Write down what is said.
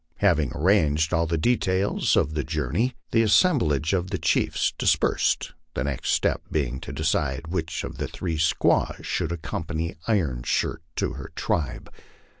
Having arranged all the details of the journey, the assemblage of chiefs dis persed, the next step being to decide which of the three squaws should accompany Iron Shirt to her tribe.